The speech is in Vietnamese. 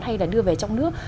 hay là đưa về trong nước